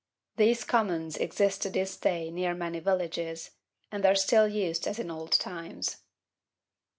These commons exist to this day near many villages, and are still used as in old times.